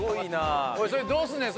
おいそれどうすんねん？